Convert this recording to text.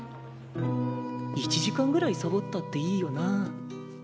１時間ぐらいサボったっていいよな。